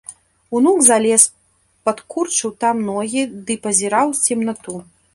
Унук залез, падкурчыў там ногі ды пазіраў у цемнату.